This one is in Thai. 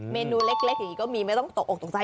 เมนูเล็กอย่างนี้ก็มีไม่ต้องตกออกตกใจ